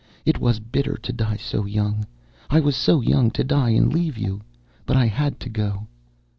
It was bitter to die so young! I was so young to die and leave you, but I had to go.